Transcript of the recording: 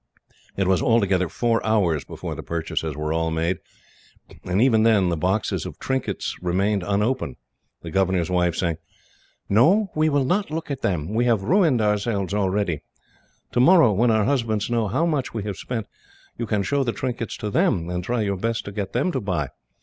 It was, altogether, four hours before the purchases were all made, and even then the boxes of trinkets remained unopened, the governor's wife saying: "No, we will not look at them. We have ruined ourselves already. Tomorrow, when our husbands know how much we have spent, you can show the trinkets to them, and try your best to get them to buy.